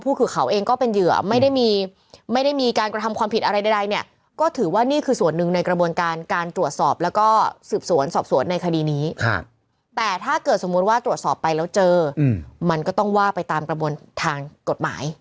อื่นได้ก็ถือว่านี่คือส่วนนึงในกระบวนการตรวจสอบแล้วก็สืบสวนสอบสวนในคดีนี้แต่ถ้าเกิดสมมุติว่าตรวจสอบไปแล้วเจอมันก็ต้องว่าไปตามกระบวนทางกฎหมาย